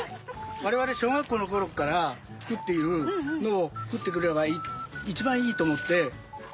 われわれ小学校の頃から作っているのを作ってくれば一番いいと思って。